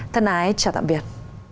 thân ái chào tạm biệt